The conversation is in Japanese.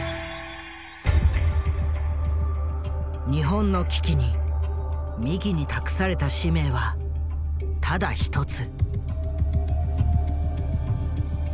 日本の危機に三木に託された使命はただ一つ。